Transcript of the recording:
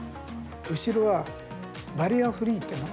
後ろはバリアフリーっていうの？